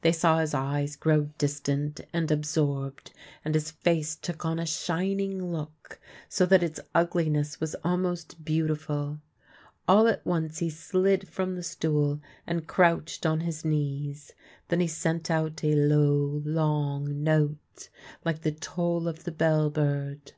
They saw his eyes grow distant and absorbed, and his face took on a shining look, so that its ugliness vv^as almost beauti ful. All at once he slid from the stool and crouched on his knees. Then he sent out a low long note, like the toll of the bell bird.